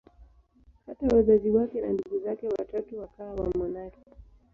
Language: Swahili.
Hata wazazi wake na ndugu zake watatu wakawa wamonaki.